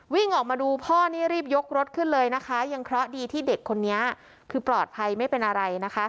วิ่งออกมาดูพ่อนี่รีบยกรถขึ้นเลยนะคะยังเคราะห์ดีที่เด็กคนนี้คือปลอดภัยไม่เป็นอะไรนะคะ